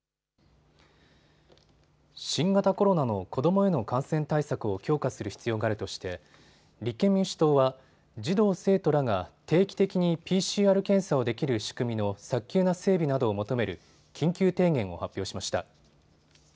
新型コロナの子どもへの感染対策を強化する必要があるとして立憲民主党は児童・生徒らが定期的にＰＣＲ検査をできる仕組みの早急な整備などを求める緊急提言を発表しました。